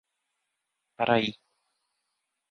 Paraí